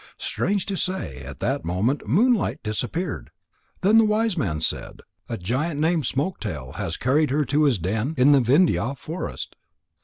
Strange to say, at that moment Moonlight disappeared. Then the wise man said: "A giant named Smoke tail has carried her to his den in the Vindhya forest."